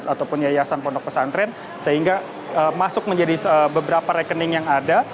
atau punya yayasan pono pesantren sehingga masuk menjadi beberapa rekening yang ada